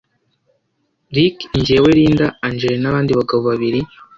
Ricky NjyeweLinda Angel nabandi bagabo babiri